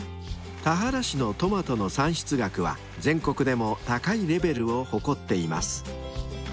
［田原市のトマトの産出額は全国でも高いレベルを誇っています］